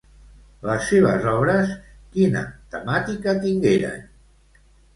Les seves obres, quina temàtica tingueren?